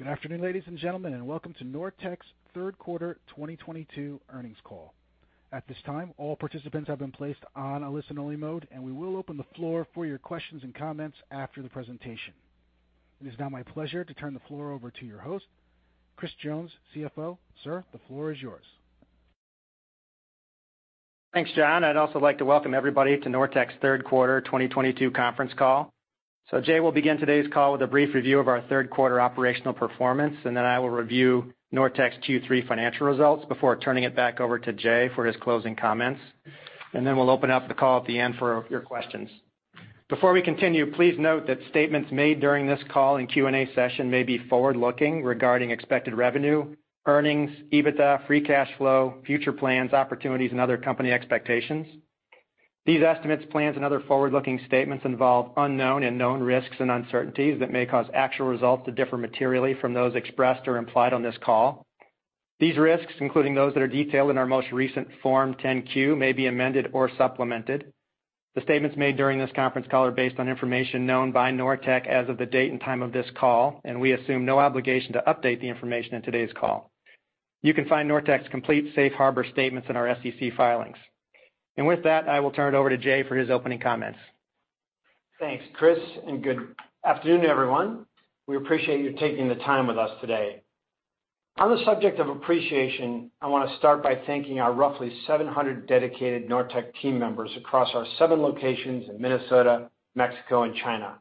Good afternoon, ladies and gentlemen, and welcome to Nortech's third quarter 2022 earnings call. At this time, all participants have been placed on a listen only mode, and we will open the floor for your questions and comments after the presentation. It is now my pleasure to turn the floor over to your host, Chris Jones, CFO. Sir, the floor is yours. Thanks, John. I'd also like to welcome everybody to Nortech's third quarter 2022 conference call. Jay will begin today's call with a brief review of our third quarter operational performance, and then I will review Nortech's Q3 financial results before turning it back over to Jay for his closing comments. We'll open up the call at the end for your questions. Before we continue, please note that statements made during this call and Q&A session may be forward-looking regarding expected revenue, earnings, EBITDA, free cash flow, future plans, opportunities, and other company expectations. These estimates, plans, and other forward-looking statements involve unknown and known risks and uncertainties that may cause actual results to differ materially from those expressed or implied on this call. These risks, including those that are detailed in our most recent Form 10-Q, may be amended or supplemented. The statements made during this conference call are based on information known by Nortech as of the date and time of this call, and we assume no obligation to update the information in today's call. You can find Nortech's complete safe harbor statements in our SEC filings. With that, I will turn it over to Jay for his opening comments. Thanks, Chris, and good afternoon, everyone. We appreciate you taking the time with us today. On the subject of appreciation, I wanna start by thanking our roughly 700 dedicated Nortech team members across our 7 locations in Minnesota, Mexico, and China.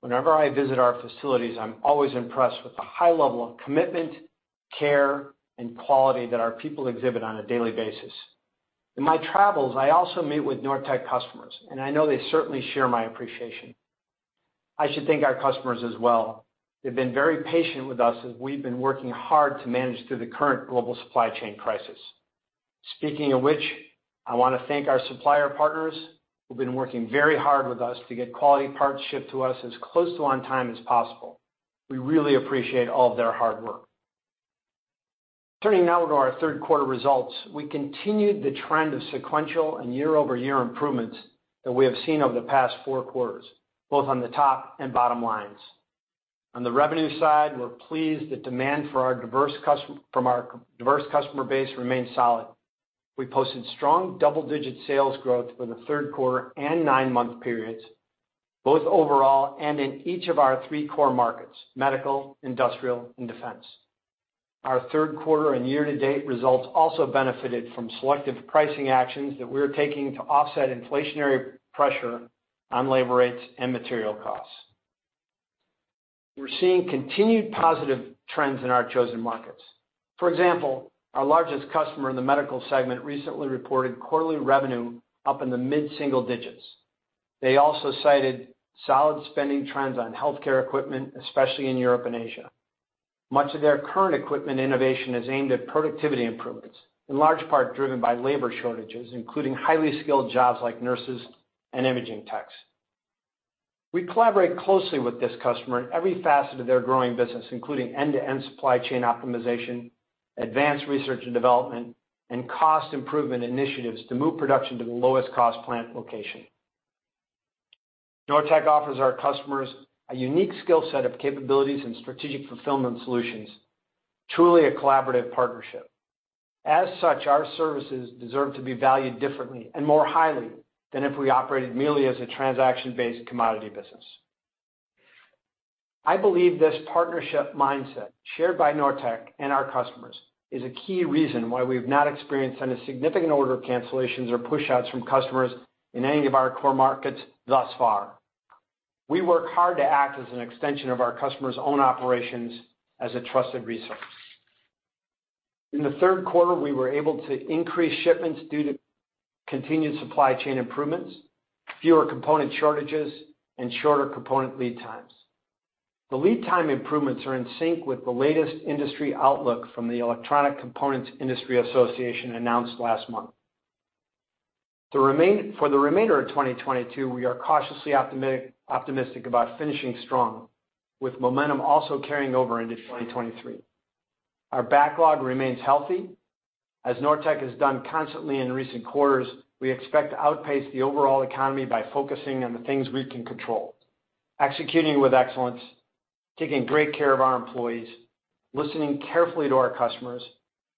Whenever I visit our facilities, I'm always impressed with the high level of commitment, care, and quality that our people exhibit on a daily basis. In my travels, I also meet with Nortech customers, and I know they certainly share my appreciation. I should thank our customers as well. They've been very patient with us as we've been working hard to manage through the current global supply chain crisis. Speaking of which, I wanna thank our supplier partners who've been working very hard with us to get quality parts shipped to us as close to on time as possible. We really appreciate all of their hard work. Turning now to our third quarter results. We continued the trend of sequential and year-over-year improvements that we have seen over the past four quarters, both on the top and bottom lines. On the revenue side, we're pleased that demand for our diverse customer base remains solid. We posted strong double-digit sales growth for the third quarter and nine-month periods, both overall and in each of our three core markets, medical, industrial, and defense. Our third quarter and year-to-date results also benefited from selective pricing actions that we're taking to offset inflationary pressure on labor rates and material costs. We're seeing continued positive trends in our chosen markets. For example, our largest customer in the medical segment recently reported quarterly revenue up in the mid-single digits. They also cited solid spending trends on healthcare equipment, especially in Europe and Asia. Much of their current equipment innovation is aimed at productivity improvements, in large part driven by labor shortages, including highly skilled jobs like nurses and imaging techs. We collaborate closely with this customer in every facet of their growing business, including end-to-end supply chain optimization, advanced research and development, and cost improvement initiatives to move production to the lowest cost plant location. Nortech offers our customers a unique skill set of capabilities and strategic fulfillment solutions, truly a collaborative partnership. As such, our services deserve to be valued differently and more highly than if we operated merely as a transaction-based commodity business. I believe this partnership mindset, shared by Nortech and our customers, is a key reason why we've not experienced any significant order cancellations or pushouts from customers in any of our core markets thus far. We work hard to act as an extension of our customers' own operations as a trusted resource. In the third quarter, we were able to increase shipments due to continued supply chain improvements, fewer component shortages, and shorter component lead times. The lead time improvements are in sync with the latest industry outlook from the Electronic Components Industry Association announced last month. For the remainder of 2022, we are cautiously optimistic about finishing strong, with momentum also carrying over into 2023. Our backlog remains healthy. As Nortech has done constantly in recent quarters, we expect to outpace the overall economy by focusing on the things we can control, executing with excellence, taking great care of our employees, listening carefully to our customers,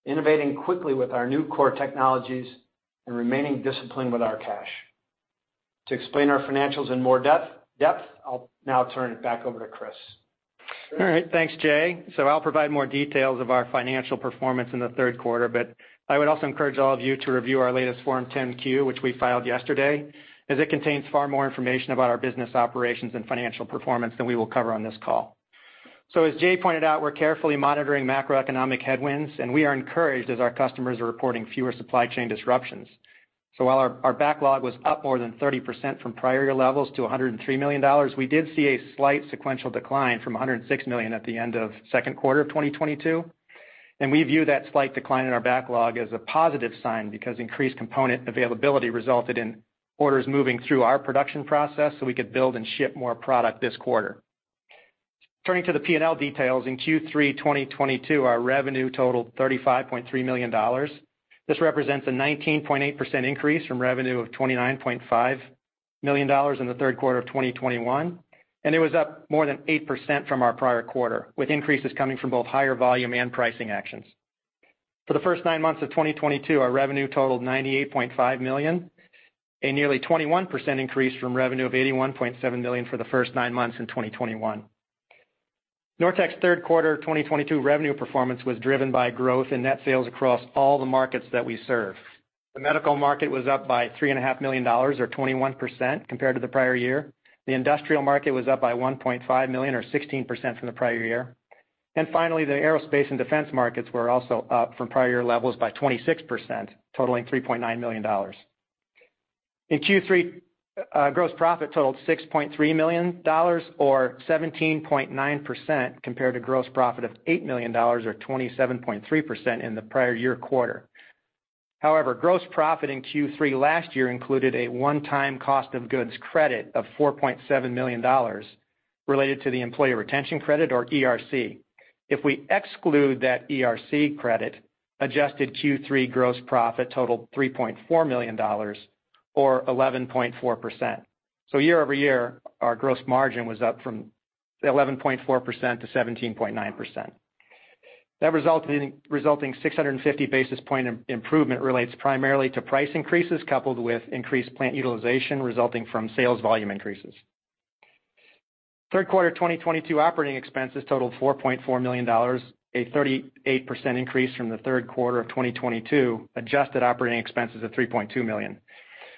innovating quickly with our new core technologies, and remaining disciplined with our cash. To explain our financials in more depth, I'll now turn it back over to Chris. All right. Thanks, Jay. I'll provide more details of our financial performance in the third quarter, but I would also encourage all of you to review our latest Form 10-Q, which we filed yesterday, as it contains far more information about our business operations and financial performance than we will cover on this call. As Jay pointed out, we're carefully monitoring macroeconomic headwinds, and we are encouraged as our customers are reporting fewer supply chain disruptions. While our backlog was up more than 30% from prior year levels to $103 million, we did see a slight sequential decline from $106 million at the end of second quarter of 2022. We view that slight decline in our backlog as a positive sign because increased component availability resulted in orders moving through our production process, so we could build and ship more product this quarter. Turning to the P&L details, in Q3 2022, our revenue totaled $35.3 million. This represents a 19.8% increase from revenue of $29.5 million in the third quarter of 2021, and it was up more than 8% from our prior quarter, with increases coming from both higher volume and pricing actions. For the first nine months of 2022, our revenue totaled $98.5 million, a nearly 21% increase from revenue of $81.7 million for the first nine months in 2021. Nortech's third quarter 2022 revenue performance was driven by growth in net sales across all the markets that we serve. The medical market was up by $3.5 million or 21% compared to the prior year. The industrial market was up by $1.5 million or 16% from the prior year. Finally, the aerospace and defense markets were also up from prior year levels by 26%, totaling $3.9 million. In Q3, gross profit totaled $6.3 million or 17.9% compared to gross profit of $8 million or 27.3% in the prior year quarter. However, gross profit in Q3 last year included a one-time cost of goods credit of $4.7 million related to the employee retention credit or ERC. If we exclude that ERC credit, adjusted Q3 gross profit totaled $3.4 million or 11.4%. Year-over-year, our gross margin was up from 11.4% to 17.9%. That resulting 650 basis point improvement relates primarily to price increases coupled with increased plant utilization resulting from sales volume increases. Third quarter 2022 operating expenses totaled $4.4 million, a 38% increase from the third quarter of 2022, adjusted operating expenses of $3.2 million.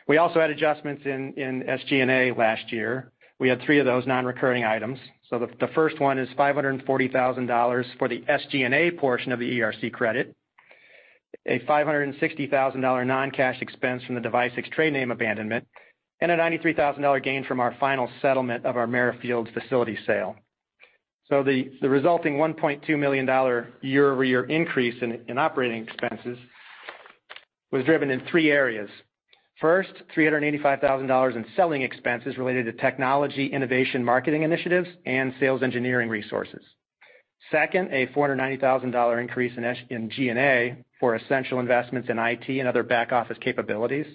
We also had adjustments in SG&A last year. We had three of those non-recurring items. The first one is $540,000 for the SG&A portion of the ERC credit, a $560,000 non-cash expense from the Devicix trade name abandonment, and a $93,000 gain from our final settlement of our Merrifield facility sale. The resulting $1.2 million year-over-year increase in operating expenses was driven in three areas. First, $385 thousand in selling expenses related to technology, innovation, marketing initiatives, and sales engineering resources. Second, a $490 thousand increase in G&A for essential investments in IT and other back-office capabilities.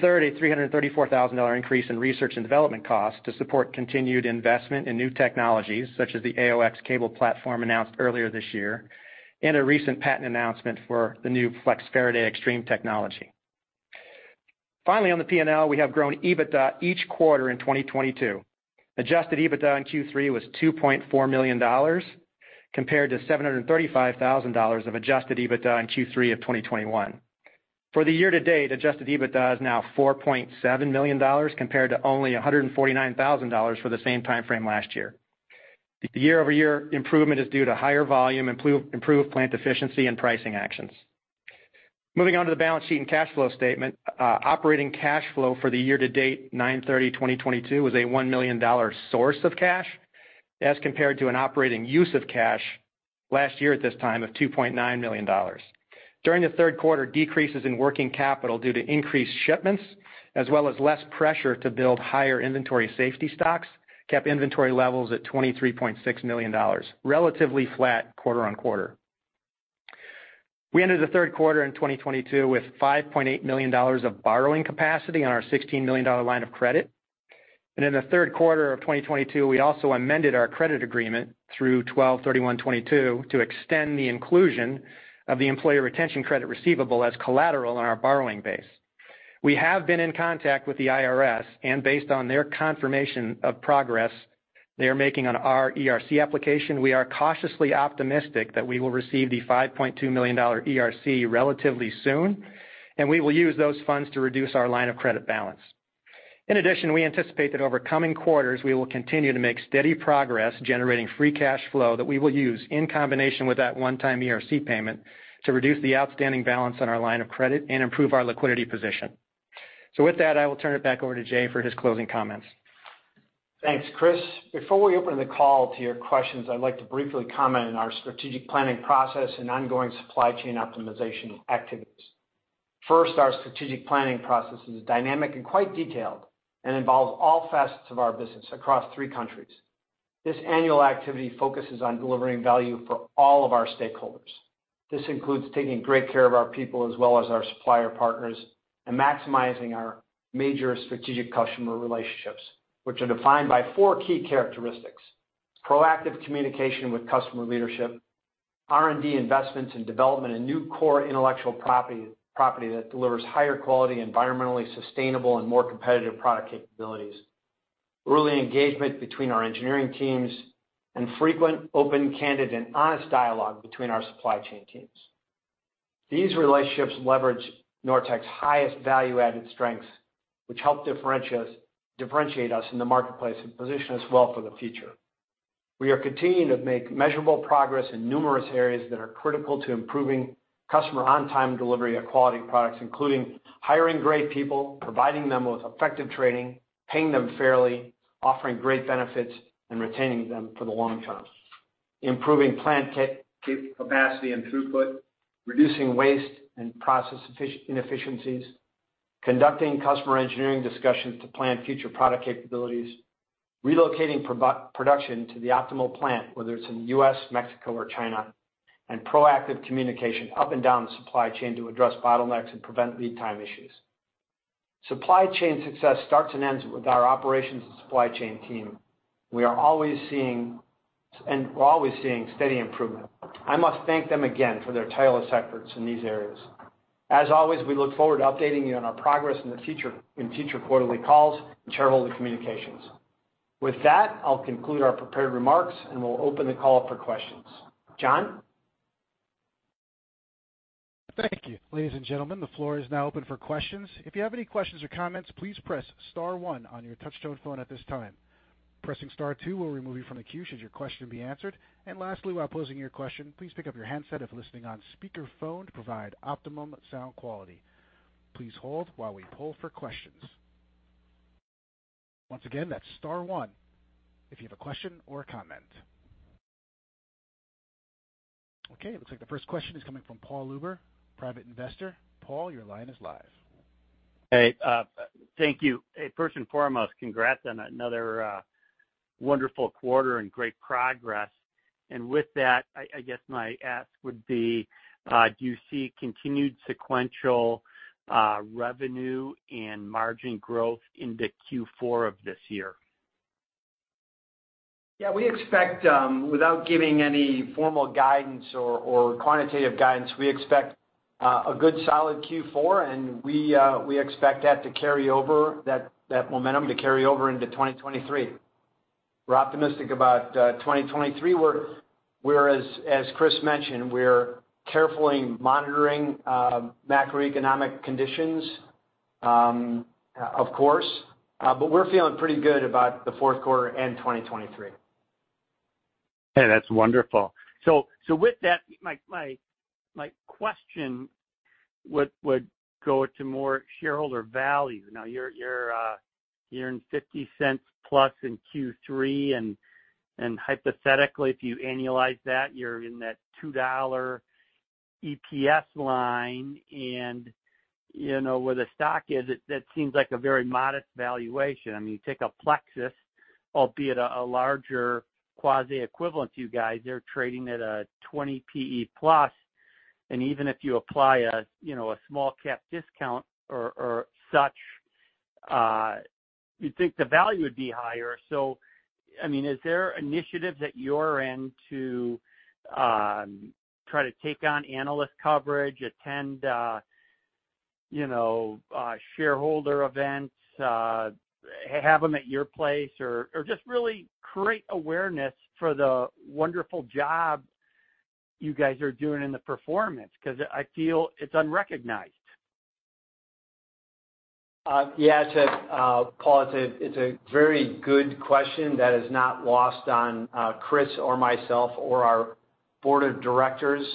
Third, a $334 thousand increase in research and development costs to support continued investment in new technologies such as the AOX cable platform announced earlier this year, and a recent patent announcement for the new Flex Faraday Xtreme technology. Finally, on the P&L, we have grown EBITDA each quarter in 2022. Adjusted EBITDA in Q3 was $2.4 million compared to $735 thousand of adjusted EBITDA in Q3 of 2021. For the year to date, adjusted EBITDA is now $4.7 million compared to only $149,000 for the same time frame last year. The year-over-year improvement is due to higher volume, improved plant efficiency and pricing actions. Moving on to the balance sheet and cash flow statement. Operating cash flow for the year to date, 9/30/2022 was a $1 million source of cash as compared to an operating use of cash last year at this time of $2.9 million. During the third quarter, decreases in working capital due to increased shipments, as well as less pressure to build higher inventory safety stocks, kept inventory levels at $23.6 million, relatively flat quarter-over-quarter. We ended the third quarter in 2022 with $5.8 million of borrowing capacity on our $16 million line of credit. In the third quarter of 2022, we also amended our credit agreement through 12/31/2022 to extend the inclusion of the employee retention credit receivable as collateral on our borrowing base. We have been in contact with the IRS, and based on their confirmation of progress they are making on our ERC application, we are cautiously optimistic that we will receive the $5.2 million ERC relatively soon, and we will use those funds to reduce our line of credit balance. In addition, we anticipate that over coming quarters, we will continue to make steady progress generating free cash flow that we will use in combination with that one-time ERC payment to reduce the outstanding balance on our line of credit and improve our liquidity position. With that, I will turn it back over to Jay for his closing comments. Thanks, Chris. Before we open the call to your questions, I'd like to briefly comment on our strategic planning process and ongoing supply chain optimization activities. First, our strategic planning process is dynamic and quite detailed and involves all facets of our business across three countries. This annual activity focuses on delivering value for all of our stakeholders. This includes taking great care of our people as well as our supplier partners, and maximizing our major strategic customer relationships, which are defined by four key characteristics, proactive communication with customer leadership, R&D investments in development in new core intellectual property that delivers higher quality, environmentally sustainable, and more competitive product capabilities, early engagement between our engineering teams, and frequent, open, candid, and honest dialogue between our supply chain teams. These relationships leverage Nortech's highest value-added strengths, which help differentiate us in the marketplace and position us well for the future. We are continuing to make measurable progress in numerous areas that are critical to improving customer on-time delivery of quality products, including hiring great people, providing them with effective training, paying them fairly, offering great benefits, and retaining them for the long term. Improving plant capacity and throughput, reducing waste and process inefficiencies, conducting customer engineering discussions to plan future product capabilities, relocating production to the optimal plant, whether it's in U.S., Mexico or China, and proactive communication up and down the supply chain to address bottlenecks and prevent lead time issues. Supply chain success starts and ends with our operations and supply chain team. We're always seeing steady improvement. I must thank them again for their tireless efforts in these areas. As always, we look forward to updating you on our progress in the future, in future quarterly calls and shareholder communications. With that, I'll conclude our prepared remarks, and we'll open the call up for questions. John? Thank you. Ladies and gentlemen, the floor is now open for questions. If you have any questions or comments, please press star one on your touchtone phone at this time. Pressing star two will remove you from the queue should your question be answered. Lastly, while posing your question, please pick up your handset if listening on speakerphone to provide optimum sound quality. Please hold while we poll for questions. Once again, that's star one if you have a question or a comment. Okay, it looks like the first question is coming from Paul Luber, Private Investor. Paul, your line is live. Hey, thank you. Hey, first and foremost, congrats on another, wonderful quarter and great progress. With that, I guess my ask would be, do you see continued sequential, revenue and margin growth into Q4 of this year? Yeah, we expect, without giving any formal guidance or quantitative guidance, we expect a good solid Q4, and we expect that to carry over, that momentum to carry over into 2023. We're optimistic about 2023, whereas as Christopher D. Jones mentioned, we're carefully monitoring macroeconomic conditions, of course, but we're feeling pretty good about the fourth quarter and 2023. Okay. That's wonderful. With that, my question would go to more shareholder value. Now you're in $0.50+ in Q3, and hypothetically, if you annualize that, you're in that $2 EPS line, and you know, where the stock is, that seems like a very modest valuation. I mean, you take a Plexus, albeit a larger quasi equivalent to you guys, they're trading at a 20 PE+. Even if you apply a you know, a small cap discount or such, you'd think the value would be higher. I mean, is there initiatives that you're in to try to take on analyst coverage, attend you know, shareholder events, have them at your place or just really create awareness for the wonderful job you guys are doing in the performance? 'Cause I feel it's unrecognized. Yeah, Paul, it's a very good question that is not lost on Chris or myself or our board of directors.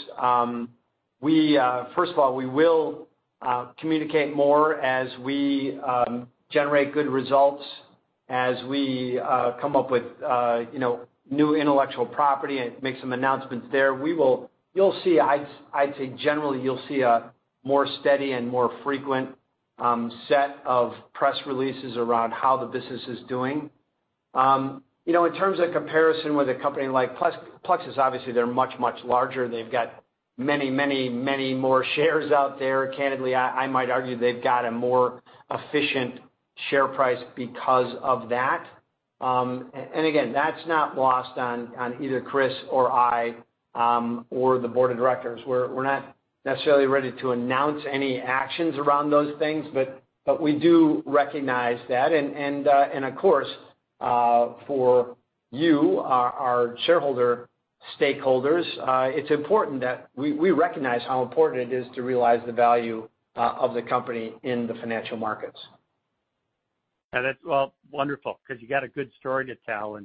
We first of all will communicate more as we generate good results as we come up with you know new intellectual property and make some announcements there. We will. You'll see, I'd say, generally, you'll see a more steady and more frequent set of press releases around how the business is doing. You know, in terms of comparison with a company like Plexus, obviously they're much larger. They've got many more shares out there. Candidly, I might argue they've got a more efficient share price because of that. Again, that's not lost on either Chris or I or the board of directors. We're not necessarily ready to announce any actions around those things, but we do recognize that. Of course, for you, our shareholder stakeholders, it's important that we recognize how important it is to realize the value of the company in the financial markets. Yeah, that's well, wonderful 'cause you got a good story to tell.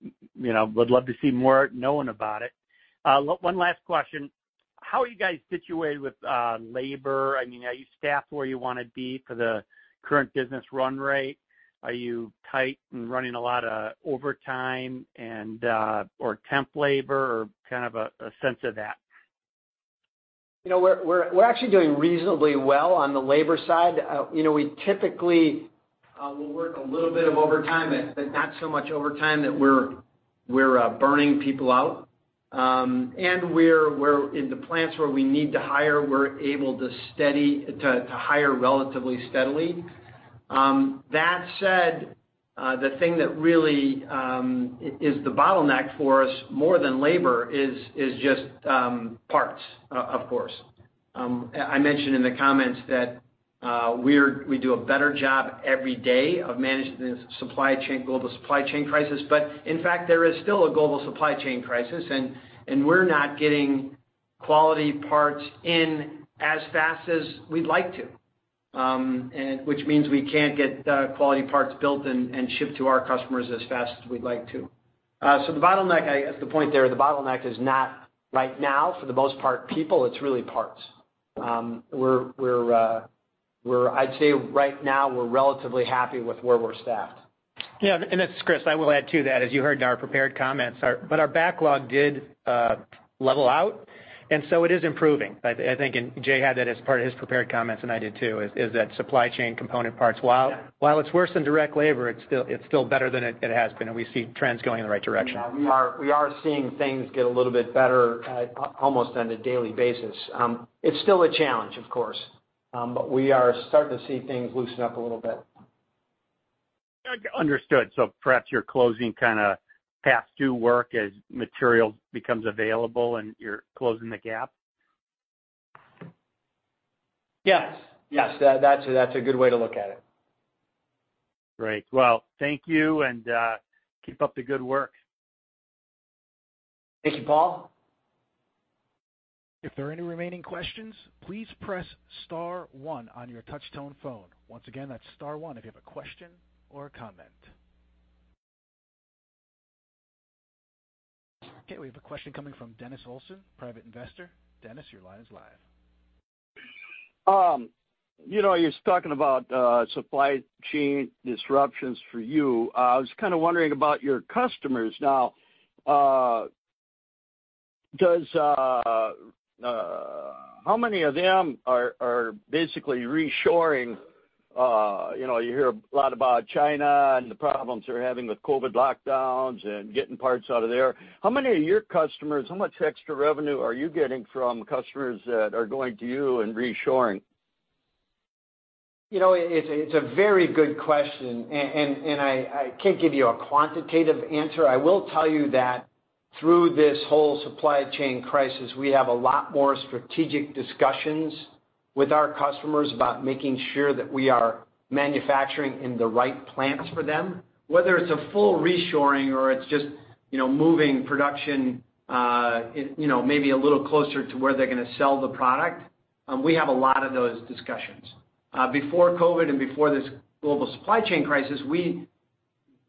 You know, would love to know more about it. One last question. How are you guys situated with labor? I mean, are you staffed where you wanna be for the current business run rate? Are you tight and running a lot of overtime and/or temp labor or kind of a sense of that? You know, we're actually doing reasonably well on the labor side. You know, we typically will work a little bit of overtime, but not so much overtime that we're burning people out. We're in the plants where we need to hire, we're able to hire relatively steadily. That said, the thing that really is the bottleneck for us more than labor is just parts, of course. I mentioned in the comments that we do a better job every day of managing the global supply chain crisis. In fact, there is still a global supply chain crisis, and we're not getting quality parts in as fast as we'd like to, and which means we can't get quality parts built and shipped to our customers as fast as we'd like to. The bottleneck, I guess the point there, the bottleneck is not right now, for the most part, people. It's really parts. I'd say right now we're relatively happy with where we're staffed. Yeah, this is Chris. I will add to that, as you heard in our prepared comments, but our backlog did level out, and so it is improving. I think and Jay had that as part of his prepared comments, and I did too, is that supply chain component parts, while it's worse than direct labor, it's still better than it has been, and we see trends going in the right direction. Yeah. We are seeing things get a little bit better, almost on a daily basis. It's still a challenge, of course. We are starting to see things loosen up a little bit. Understood. Perhaps you're closing kinda past due work as material becomes available, and you're closing the gap. Yes. That's a good way to look at it. Great. Well, thank you, and keep up the good work. Thank you, Paul. If there are any remaining questions, please press star one on your touch tone phone. Once again, that's star one if you have a question or a comment. Okay, we have a question coming from Dennis Olson, Private Investor. Dennis, your line is live. You know, you're talking about supply chain disruptions for you. I was kinda wondering about your customers now. How many of them are basically reshoring? You know, you hear a lot about China and the problems they're having with COVID lockdowns and getting parts out of there. How many of your customers, how much extra revenue are you getting from customers that are going to you and reshoring? You know, it's a very good question. I can't give you a quantitative answer. I will tell you that through this whole supply chain crisis, we have a lot more strategic discussions with our customers about making sure that we are manufacturing in the right plants for them. Whether it's a full reshoring or it's just, you know, moving production, you know, maybe a little closer to where they're gonna sell the product, we have a lot of those discussions. Before COVID and before this global supply chain crisis,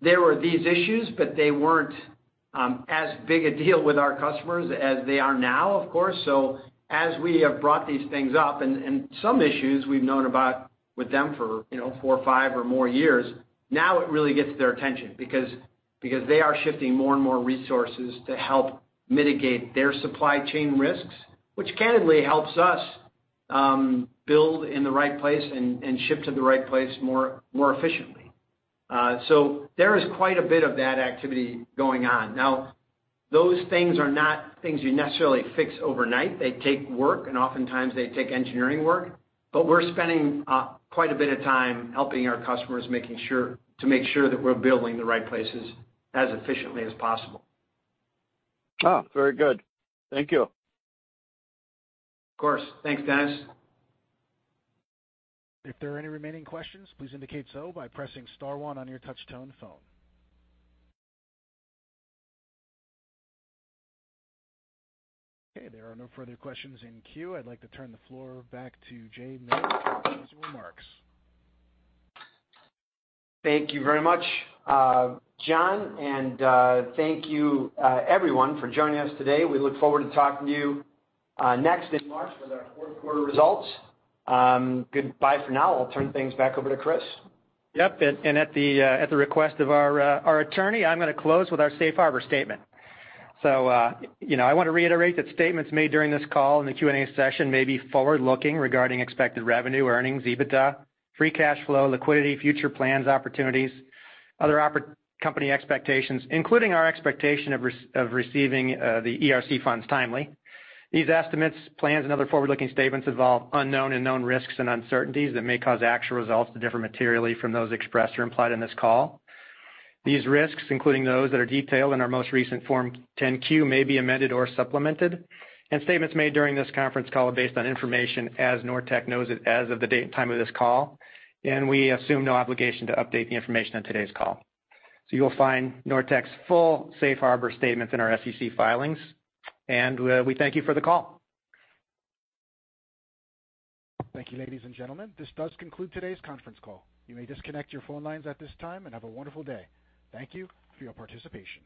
there were these issues, but they weren't as big a deal with our customers as they are now, of course. As we have brought these things up and some issues we've known about with them for, you know, four or five or more years, now it really gets their attention because they are shifting more and more resources to help mitigate their supply chain risks, which candidly helps us, build in the right place and ship to the right place more efficiently. There is quite a bit of that activity going on. Now, those things are not things you necessarily fix overnight. They take work, and oftentimes they take engineering work. We're spending quite a bit of time helping our customers to make sure that we're building in the right places as efficiently as possible. Oh, very good. Thank you. Of course. Thanks, Dennis. If there are any remaining questions, please indicate so by pressing star one on your touch tone phone. Okay, there are no further questions in queue. I'd like to turn the floor back to Jay Miller for his remarks. Thank you very much, John, and thank you, everyone for joining us today. We look forward to talking to you next in March with our fourth quarter results. Goodbye for now. I'll turn things back over to Chris. Yep, at the request of our attorney, I'm gonna close with our safe harbor statement. You know, I wanna reiterate that statements made during this call and the Q&A session may be forward-looking regarding expected revenue or earnings, EBITDA, free cash flow, liquidity, future plans, opportunities, other company expectations, including our expectation of receiving the ERC funds timely. These estimates, plans and other forward-looking statements involve unknown and known risks and uncertainties that may cause actual results to differ materially from those expressed or implied in this call. These risks, including those that are detailed in our most recent Form 10-Q, may be amended or supplemented. Statements made during this conference call are based on information as Nortech knows it as of the date and time of this call, and we assume no obligation to update the information on today's call. You'll find Nortech's full safe harbor statement in our SEC filings, and we thank you for the call. Thank you, ladies and gentlemen. This does conclude today's conference call. You may disconnect your phone lines at this time and have a wonderful day. Thank you for your participation.